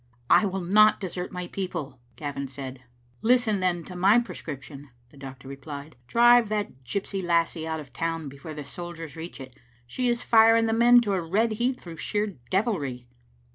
" I will not desert my people," Gavin said, "Listen, then, to my prescription," the doctor re plied. " Drive that gypsy lassie out of the town before the soldiers reach it. She is firing the men to a red heat through sheer devilry."